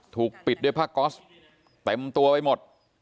ถูกปิดด้วยผ้าก๊อสเต็มตัวไปหมด